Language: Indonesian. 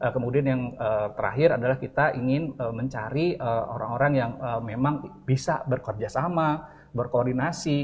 kemudian yang terakhir adalah kita ingin mencari orang orang yang memang bisa bekerja sama berkoordinasi